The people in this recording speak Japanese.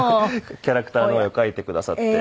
キャラクターの絵を描いてくださって。